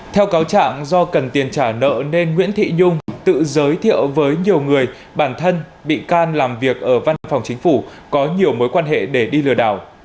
theo cáo trạng do cần tiền trả nợ nên nguyễn thị nhung tự giới thiệu với nhiều người bản thân bị can làm việc ở văn phòng chính phủ có nhiều mối quan hệ để đi lừa đảo